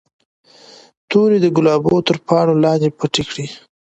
تورې د ګلابو تر پاڼو لاندې پټې کړئ.